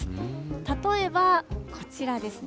例えば、こちらですね。